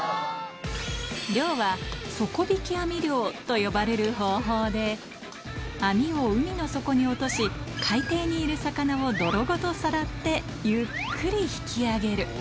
漁は底引き網漁と呼ばれる方法で、網を海の底に落とし、海底にいる魚を泥ごとさらってゆっくり引き上げる。